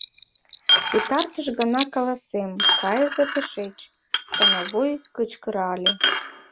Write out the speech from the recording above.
— Пытартыш гана каласем: кайыза тышеч! — становой кычкырале.